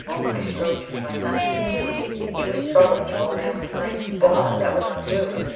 I strove to keep my senses. He was struggling to roll me over the brink. God, that would not do!